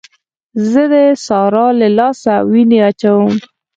زه د سارا له لاسه وينې اچوم.